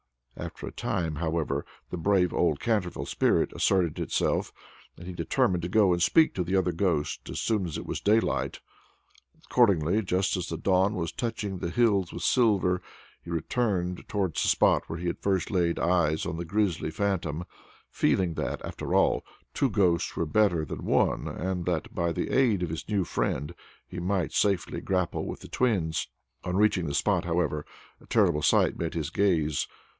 After a time, however, the brave old Canterville spirit asserted itself, and he determined to go and speak to the other ghost as soon as it was daylight. Accordingly, just as the dawn was touching the hills with silver, he returned towards the spot where he had first laid eyes on the grisly phantom, feeling that, after all, two ghosts were better than one, and that, by the aid of his new friend, he might safely grapple with the twins. On reaching the spot, however, a terrible sight met his gaze.